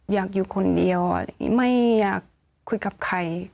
อยากอยู่คนเดียวไม่อยากคุยกับใคร